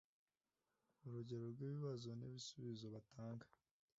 Urugero rw’ibibazo n’ibisubizo batanga